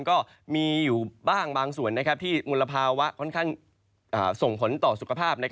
ก็มีอยู่บ้างบางส่วนที่มลภาวะค่อนข้างส่งผลต่อสุขภาพ